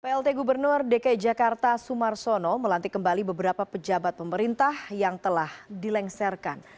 plt gubernur dki jakarta sumarsono melantik kembali beberapa pejabat pemerintah yang telah dilengsarkan